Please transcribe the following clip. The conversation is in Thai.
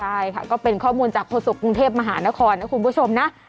ใช่ค่ะก็เป็นข้อมูลจากโฆษกรุงเทพมหานครนะคุณผู้ชมนะ